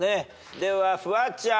ではフワちゃん。